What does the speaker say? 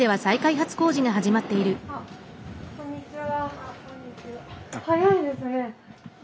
こんにちは。